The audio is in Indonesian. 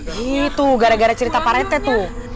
gitu gara gara cerita pak rete tuh